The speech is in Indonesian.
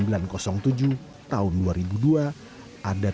ada tiga aspek persyaratan air minum yang diatur